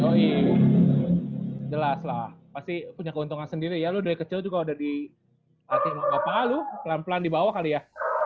oh iya jelas lah pasti punya keuntungan sendiri ya lu dari kecil juga udah dilatih gak pengalu pelan pelan di bawah kali ya